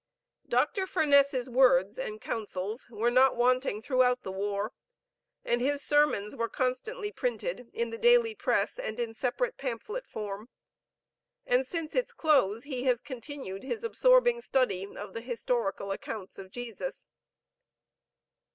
Dr. Furness's words and counsels were not wanting throughout the war, and his sermons were constantly printed in the daily press and in separate pamphlet form. And since its close he has continued his absorbing study of the historical accounts of Jesus.